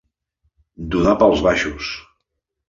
Donar pels baixos.